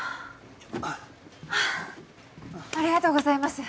ハァありがとうございます。